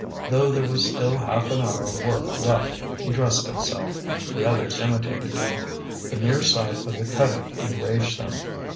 Though there was still half an hour of work left he dressed himself. The others imitated him. The mere sight of the cutting enraged them.